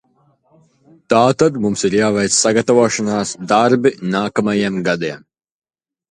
Tātad mums ir jāveic sagatavošanās darbi nākamajiem gadiem.